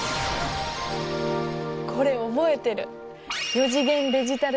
これ覚えてる。